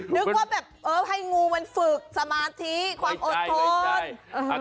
นึกว่าแบบเออให้งูมันฝึกสมาธิความอดทน